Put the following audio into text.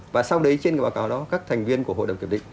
và sau đấy trên báo cáo đó các thành viên của hội đồng kiểm định